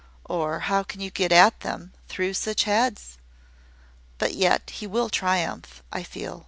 or, how can you get at them, through such heads? But yet he will triumph, I feel."